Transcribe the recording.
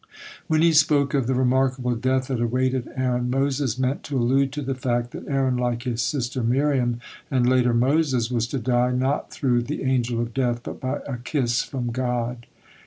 When he spoke of the remarkable death that awaited Aaron, Moses meant to allude to the fact that Aaron, like his sister Miriam and later Moses, was to die not through the Angel of Death, but by a kiss from God.